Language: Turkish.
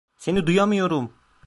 Seni duyamıyorum.